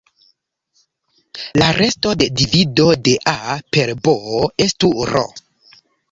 La resto de divido de "a" per "b" estu "r".